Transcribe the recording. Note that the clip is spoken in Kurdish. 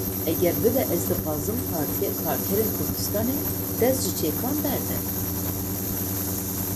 Eger bibe ez dixwazim Partiya Karkerên Kurdistanê dest ji çekan berde.